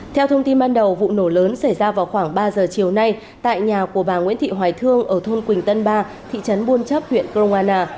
theo thông tin ban đầu vụ nổ lớn xảy ra vào khoảng ba giờ chiều nay tại nhà của bà nguyễn thị hoài thương ở thôn quỳnh tân ba thị trấn buôn chấp huyện kroana